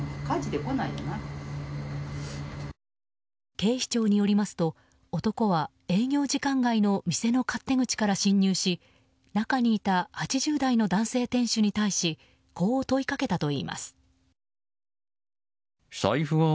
警視庁によりますと男は営業時間外の店の勝手口から侵入し中にいた８０代の男性店主に対しこう問いかけたといいます。